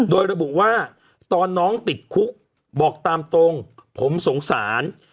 โดยระบุว่าตอนน้องติดคุกบอกตามตรงผมสงสาร